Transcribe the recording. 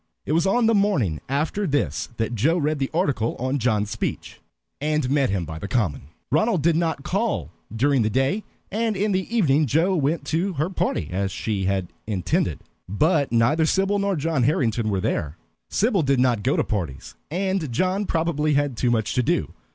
It was on the morning after this that Joe read the article on John's speech, and met him by the Common. Ronald did not call during the day, and in the evening Joe went to her party as she had intended; but neither Sybil nor John Harrington were there. Sybil did not go to parties, and John probably had too much to do.